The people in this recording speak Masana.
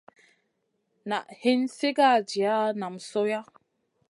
Na hin sigara jiya nam sohya.